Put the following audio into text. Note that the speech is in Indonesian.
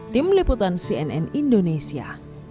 tim liputan cnn indonesia